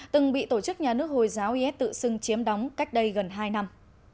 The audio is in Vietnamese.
từng bị tổ chức nhà nước hồi giáo is tự xưng chiếm đóng cách đây gần hai năm